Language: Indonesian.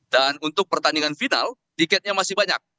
dan untuk pertandingan final tiketnya masih banyak